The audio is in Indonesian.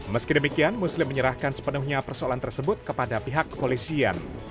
meski demikian muslim menyerahkan sepenuhnya persoalan tersebut kepada pihak kepolisian